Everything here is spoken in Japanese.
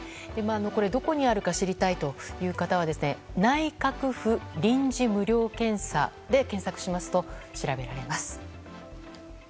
どこにあるか知りたいという方は「内閣府臨時無料検査」で検索しますと調べられます。